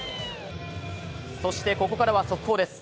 そしてここからは速報です。